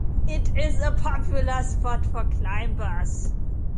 It is a popular spot for climbers.